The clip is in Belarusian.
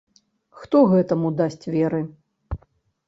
Хто гэтаму дасць веры!